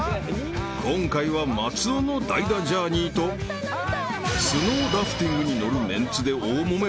［今回は松尾の代打ジャーニーとスノーラフティングに乗るメンツで大もめ勃発］